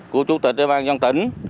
của chủ tịch địa bàn dân tỉnh